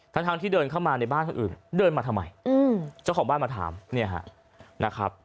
ทั้งที่เดินเข้ามาในบ้านคนอื่นเดินมาทำไมเจ้าของบ้านมาถามเนี่ยฮะนะครับ